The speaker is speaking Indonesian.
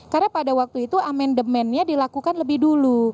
karena pada waktu itu amendementnya dilakukan lebih dulu